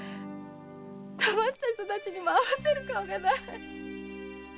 騙した人たちにも会わせる顔がない！